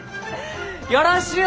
よろしゅう